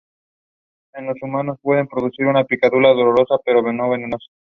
En los humanos pueden producir una picadura dolorosa, pero no venenosa.